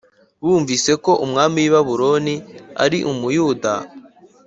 bumvise ko umwami w i Babuloni aari umuyuda